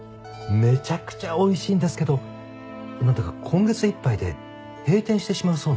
めちゃくちゃおいしいんですけどなんだか今月いっぱいで閉店してしまうそうなんです。